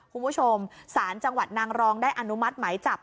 คุณผู้ชมศาลจังหวัดนางรองได้อนุมัติหมายจับ